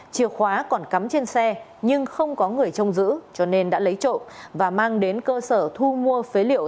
chìa khóa còn cắm trên xe nhưng không có người trông giữ cho nên đã lấy trộm và mang đến cơ sở thu mua phế liệu